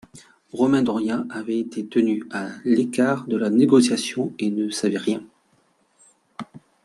Romain Doria avait été tenu à l'écart de la négociation et ne savait rien.